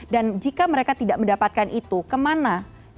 dan jika mereka tidak mendapatkan itu kemana bisa melaporkannya